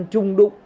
đừng ăn trung đụng